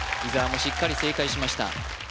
伊沢もしっかり正解しました